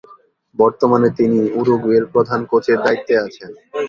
বর্তমানে তিনি উরুগুয়ের প্রধান কোচের দায়িত্বে আছেন।